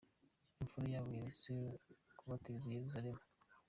Imfura yabo iherutse kubatirizwa i Yeruzalemu.